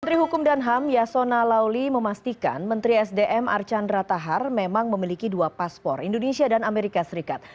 menteri hukum dan ham yasona lauli memastikan menteri sdm archandra tahar memang memiliki dua paspor indonesia dan amerika serikat